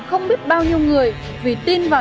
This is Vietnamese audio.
không biết bao nhiêu người vì tin vào